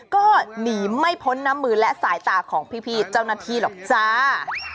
ก็หนีไม่พ้นน้ำมือและสายตาของพี่เจ้าหน้าที่หรอกจ้า